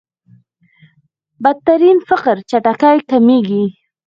بدترين فقر چټکۍ کمېږي.